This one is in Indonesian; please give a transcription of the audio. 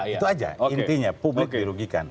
itu aja intinya publik dirugikan